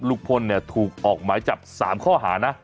ลุงพลเนี่ยถูกออกหมายจับ๓ข้อหานะ